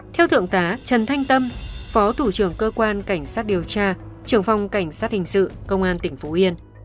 theo thượng tá trần thanh tâm phó thủ trưởng cơ quan cảnh sát điều tra trưởng phòng cảnh sát hình sự công an tỉnh phú yên